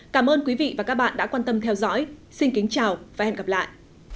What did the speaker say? cảm ơn quý vị và các bạn đã quan tâm theo dõi xin kính chào và hẹn gặp lại